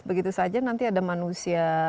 begitu saja nanti ada manusia